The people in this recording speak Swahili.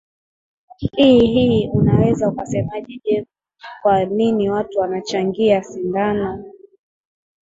i hii unaweza ukasemaje je kwa nini watu wanachangia sindano